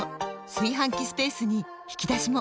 炊飯器スペースに引き出しも！